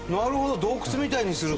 洞窟みたいにすると。